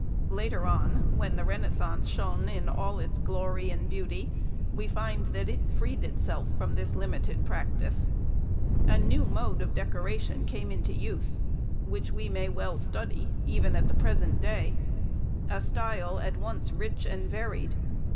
Later on, when the Renaissance shone in all its glory and beauty, we find that it freed itself from this limited practice. A new mode |112| of decoration came into use, which we may well study, even at the present day; a style at once rich and varied.